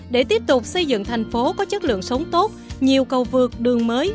để tiếp tục xây dựng thành phố có chất lượng sống tốt nhiều cầu vượt đường mới